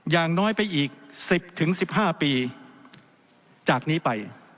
อย่างน้อยไปอีก๑๐๑๕ปีจากนี้ไป